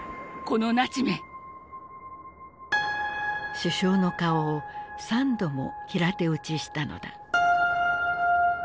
首相の顔を３度も平手打ちしたのだ。